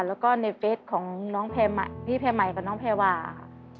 แล้วก็ในเฟสของพี่เพมัยกับน้องเพวาค่ะ